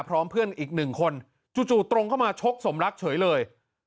พร้อมเพื่อนอีกหนึ่งคนจู่ตรงเข้ามาชกสมรักเฉยเลย